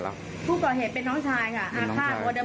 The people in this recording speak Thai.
เดี๋ยวมึงออกข้างนอกไปมึงไปตลาดกับแม่